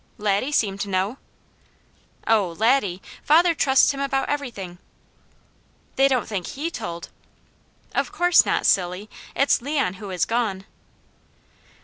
"Laddie seemed to know!" "Oh Laddie! Father trusts him about everything." "They don't think HE told?" "Of course not, silly. It's Leon who is gone!"